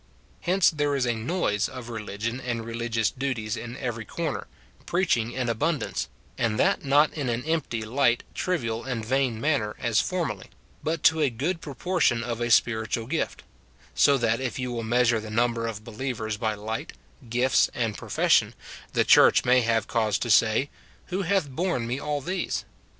Hence there is a noise of religion and religious duties in every corner, preaching in abundance, — and that not in an empty, light, trivial, and vain manner, as formerly, but to a good proportion of a spiritual gift, — so that if you will mea sure the number of believers by light, gifts, and profes sion, the church may have cause to say, " Who hath borne me all these